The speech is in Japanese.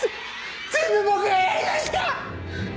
ぜ全部僕がやりました！